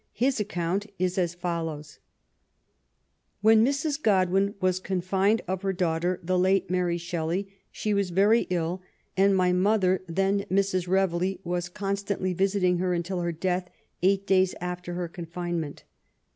His account is as follows :— When Mrs. Godwin was confined of her daughter, the late Mary Shelley, she was very ill ; and my mother, then Mrs. Reveley, was constantly visiting her nntil her death, eight days after her confine ment.